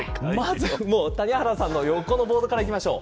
谷原さんの横のボードからいきましょう。